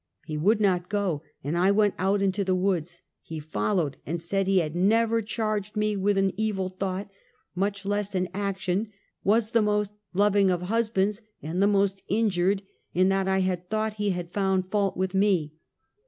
He would not go, and I went out into the woods. He followed, and said he had never charged me with an evil thought, much less an action, was the most loving of husbands and the most injured in that I had thought he had found fault with me.